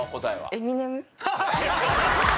エミネム。